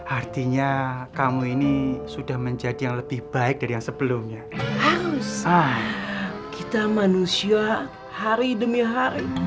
artinya kamu ini sudah menjadi yang lebih baik dari yang sebelumnya kita manusia hari demi hari